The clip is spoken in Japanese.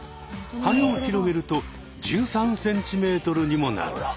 はねを広げると１３ｃｍにもなる。